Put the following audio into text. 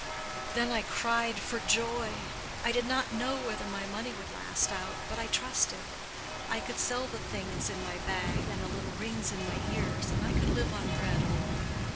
Then I cried for joy. I did not know whether my money would last out, but I trusted. I could sell the things in my bag, and the little rings in my ears, and I could live on bread only.